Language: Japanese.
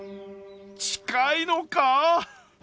近いのか？